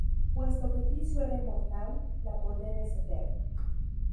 Puesto que Ticio era inmortal, la condena es eterna.